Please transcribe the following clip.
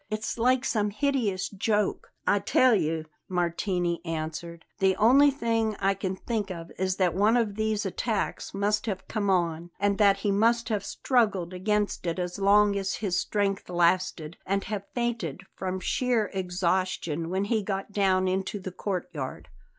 It's like some hideous joke." "I tell you," Martini answered, "the only thing I can think of is that one of these attacks must have come on, and that he must have struggled against it as long as his strength lasted and have fainted from sheer exhaustion when he got down into the courtyard."